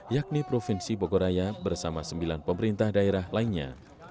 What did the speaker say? yakni provinsi bogoraya bersama sembilan pemerintah daerah lainnya